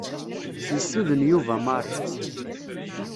Yessuden Yuba Mary.